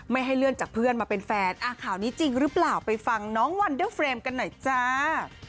ให้เลื่อนจากเพื่อนมาเป็นแฟนข่าวนี้จริงหรือเปล่าไปฟังน้องวันเดอร์เฟรมกันหน่อยจ้า